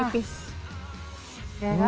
karena semuanya mentah